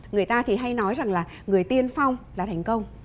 người ta thì hay nói rằng là người tiên phong là thành công